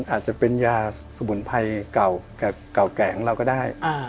อาจจะเป็นยาสุบุญภัยเก่าแก่งเราก็ได้